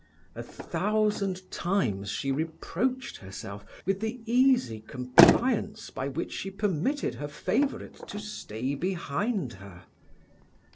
A thousand times she reproached herself with the easy compliance by which she permitted her favourite to stay behind her.